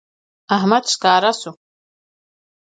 احمد ښکاره شو